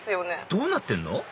どうなってんの？